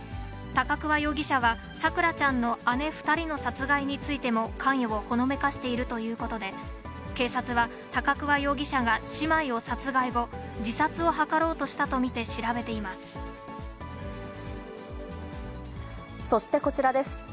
高桑容疑者は、咲桜ちゃんの姉２人の殺害についても関与をほのめかしているということで、警察は、高桑容疑者が姉妹を殺害後、自殺を図ろうとしたと見て調べています。